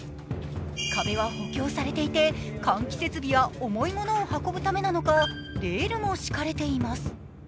壁は補強されていて、換気設備や重いものを運ぶためなのかレールも敷かれています。